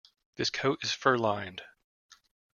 This coat is fur-lined.